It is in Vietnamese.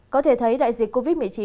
có thể thấy đại dịch covid một mươi chín